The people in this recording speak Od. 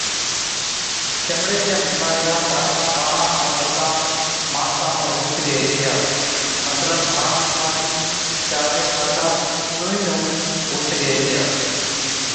چمڙي چِيا بِيمارِيا ڌاڪڙان ٻاڙان ائُون موٽان ماڻسان نُون هُو سِگھَي هِتِيا (مطلب ها بِيمارِي چاڙي مردا ڏُونهِين نُون هُو سِگھَي هِتِيا)